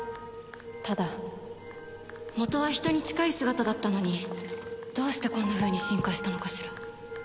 ただ元は人に近い姿だったのにどうしてこんなふうに進化したのかしら？